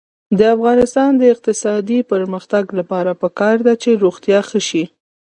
د افغانستان د اقتصادي پرمختګ لپاره پکار ده چې روغتیا ښه شي.